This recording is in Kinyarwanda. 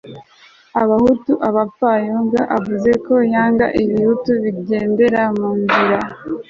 abahutu abapfayongo avuga ko yanga ibihutu bigenderamu nzira